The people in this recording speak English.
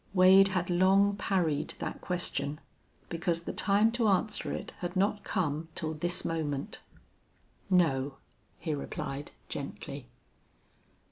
Wade had long parried that question, because the time to answer it had not come till this moment. "No," he replied, gently.